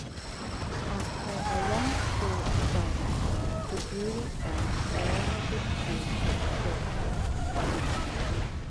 After a one-day trial, the jury found all the accused guilty.